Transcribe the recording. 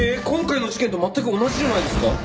今回の事件と全く同じじゃないですか。